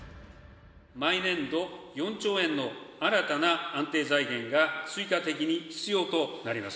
毎年度４兆円の新たな安定財源が追加的に必要となります。